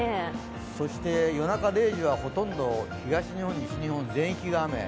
そして夜中０時はほとんど東日本西日本全域が雨。